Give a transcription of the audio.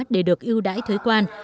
để được ưu đãi thuế quan